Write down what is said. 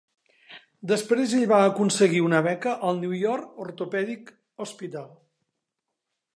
Després, ell va aconseguir una beca al New York Orthopedic Hospital.